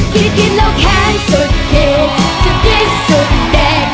คิดคิดแล้วแค้นสุดเขตสุดริสุดแดก